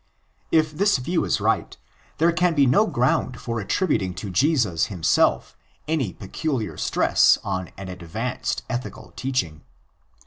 If this view is right, there can be no ground for attributing to Jesus himself any peculiar stress on an advanced ethical teaching.